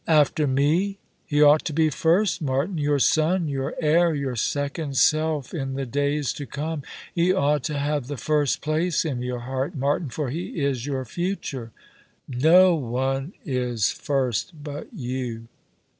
" After me ! He ought to be first, Martin — your son, your heir, your second self in the days to come. He ought to Lave the first place in your heart, Martin, for he is your future." " No one is first but you."